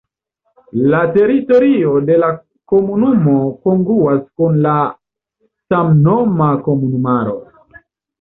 La teritorio de la komunumo kongruas kun la samnoma komunumaro.